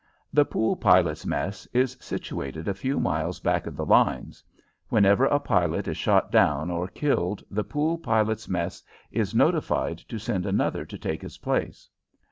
The Pool Pilots' Mess is situated a few miles back of the lines. Whenever a pilot is shot down or killed the Pool Pilots' Mess is notified to send another to take his place.